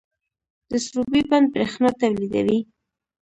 د سروبي بند بریښنا تولیدوي